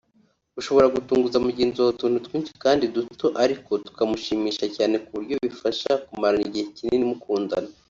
ushobora gutunguza mugenzi wawe utuntu twinshi kandi duto ariko tukamushimisha cyane ku buryo bifasha kumarana igihe kinini mukundana